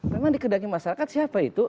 memang dikedai masyarakat siapa itu